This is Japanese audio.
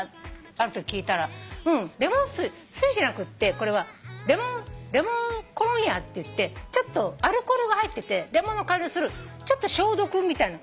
あるとき聞いたらううんレモン水水じゃなくてこれはレモンコロンヤっていってちょっとアルコールが入っててレモンの香りのするちょっと消毒みたいな。